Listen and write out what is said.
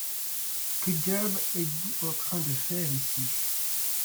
Que diable êtes-vous en train de faire ici ?